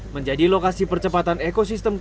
menjadi lokasi percepatan ekosistemnya